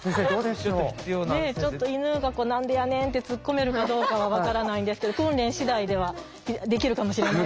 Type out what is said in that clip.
ちょっと犬が「何でやねん」って突っ込めるかどうかは分からないんですけど訓練次第ではできるかもしれないです。